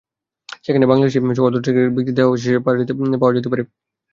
সেখানে বাংলাদেশিসহ অর্ধশতাধিক ব্যক্তির দেহাবশেষ পাওয়া যেতে পারে বলে ধারণা করা হচ্ছে।